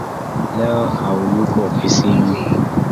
Leo hayuko ofisini